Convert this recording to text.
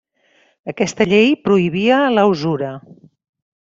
Aquesta llei prohibia la usura.